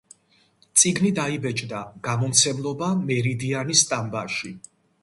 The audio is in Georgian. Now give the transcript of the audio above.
წიგნი დაიბეჭდა გამომცემლობა „მერიდიანის“ სტამბაში.